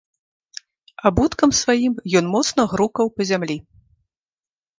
Абуткам сваім ён моцна грукаў па зямлі.